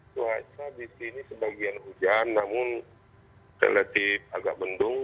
cuaca di sini sebagian hujan namun relatif agak bendung